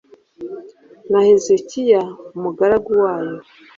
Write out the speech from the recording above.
na Hezekiya umugaragu wayo